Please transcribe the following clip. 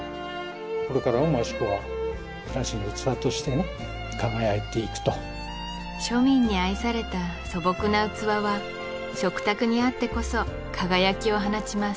これからも益子は暮らしの器としてね輝いていくと庶民に愛された素朴な器は食卓にあってこそ輝きを放ちます